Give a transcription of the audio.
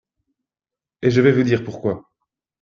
et je vais vous dire pourquoi.